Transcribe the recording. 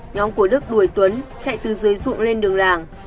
nhóm của đức đuổi tuấn chạy từ dưới ruộng lên đường làng